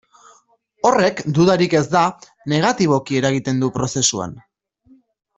Horrek, dudarik ez da, negatiboki eragiten du prozesuan.